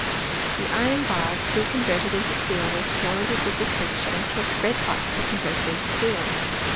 The iron bars to be converted into steel were surround ed with this mixture, and kept red hot till converted into steel.